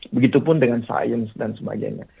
begitupun dengan sains dan sebagainya